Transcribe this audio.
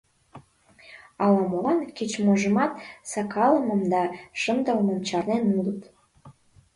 Ала-молан кеч-можымат сакалымым да шындылмым чарнен улыт.